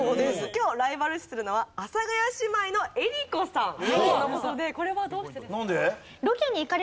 今日ライバル視するのは阿佐ヶ谷姉妹の江里子さんとの事でこれはどうしてですか？